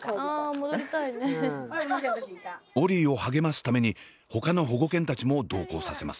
オリィを励ますためにほかの保護犬たちも同行させます。